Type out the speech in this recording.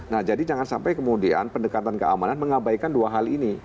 nah jadi jangan sampai kemudian pendekatan keamanan mengabaikan dua hal ini